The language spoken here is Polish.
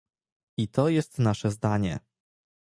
I to jest nasze zadanie